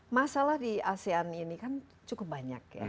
masalah di asean ini kan cukup banyak ya